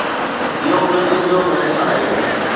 اهو به هڪ ٻيو بحث آهي.